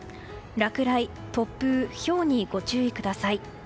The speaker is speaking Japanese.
落雷、突風、ひょうにご注意ください。